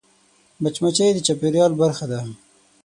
مچمچۍ د چاپېریال برخه ده